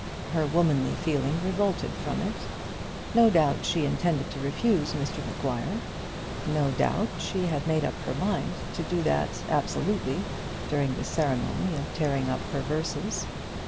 Her womanly feeling revolted from it. No doubt she intended to refuse Mr Maguire. No doubt she had made up her mind to that absolutely, during the ceremony of tearing up her verses.